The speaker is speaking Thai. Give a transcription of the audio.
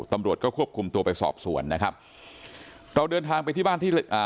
ตำรวจก็ควบคุมตัวไปสอบสวนนะครับเราเดินทางไปที่บ้านที่อ่า